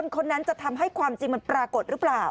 คนนั้นจะทำให้ความจริงมันปรากฏหรือเปล่า